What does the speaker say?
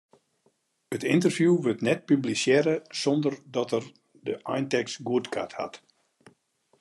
It ynterview wurdt net publisearre sonder dat er de eintekst goedkard hat.